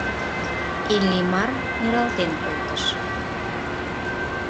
Иллимар нералтен колтыш.